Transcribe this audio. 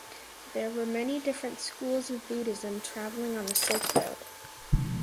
There were many different schools of Buddhism travelling on the Silk Road.